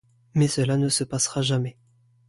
Mais cela ne se passera jamais.